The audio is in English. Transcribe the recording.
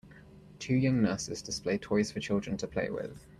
Two young nurses display toys for children to play with.